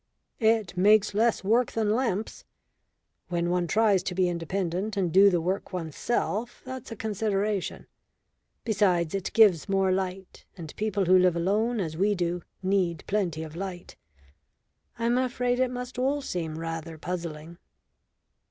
"It makes less work than lamps. When one tries to be independent and do the work oneself that's a consideration. Besides, it gives more light, and people who live alone as we do need plenty of light. I'm afraid it must all seem rather puzzling."